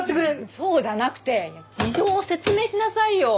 そうじゃなくて事情を説明しなさいよ！